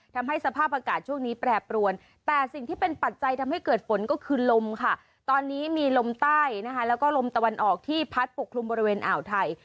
ทำให้สภาพอากาศช่วงนี้แปรปรวนแต่สิ่งที่เป็นปัจจัยทำให้เกิดฝนก็คือลมค่ะตอนนี้มีลมใต้นะคะแล้วก็ลมตะวันออกที่พัดปกคลุมบริเวณอ่าวไทย